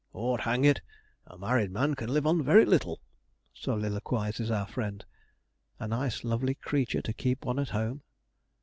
''Ord hang it! a married man can live on very little,' soliloquizes our friend. A nice lovely creature to keep one at home.